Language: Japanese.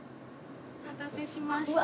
お待たせしました。